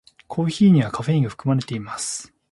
コーヒーにはカフェインが含まれています。